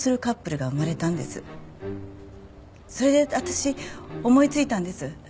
それで私思いついたんです